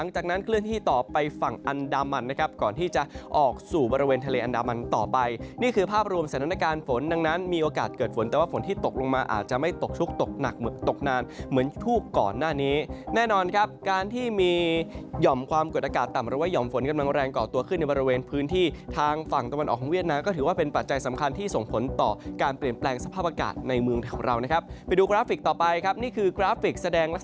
ชุดตกหนักตกนานเหมือนทุกข์ก่อนหน้านี้แน่นอนครับการที่มียอมความเกิดอากาศต่ำหรือว่ายอมฝนกำลังแรงก่อตัวขึ้นในบริเวณพื้นที่ทางฝั่งตะวันออกของเวียดน้ำก็ถือว่าเป็นปัจจัยสำคัญที่ส่งผลต่อการเปลี่ยนแปลงสภาพอากาศในเมืองแถวเรานะครับไปดูกราฟิกต่อไปครับนี่คือกราฟิก